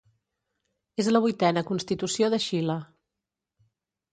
És la vuitena Constitució de Xile.